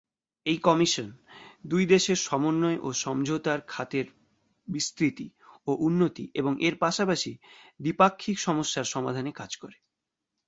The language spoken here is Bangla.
এই কমিশন, দুই দেশের সমন্বয় ও সমঝোতার খাতের বিস্তৃতি ও উন্নতি এবং এর পাশাপাশি দ্বিপাক্ষিক সমস্যার সমাধানে কাজ করে।